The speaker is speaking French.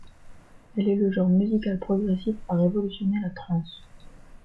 Elle est le genre musical progressif à révolutionner la trance.